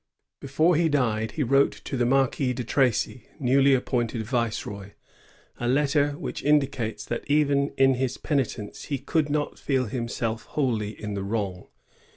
Before he died, he wrote to the Marquis de Tracy, newly appointed viceroy, a letter which indicates that even in his penitence he could not feel himself wholly in the wrong.